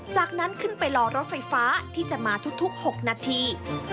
จากนั้นขึ้นไปรอรถไฟฟ้าที่จะมาทุก๖นาที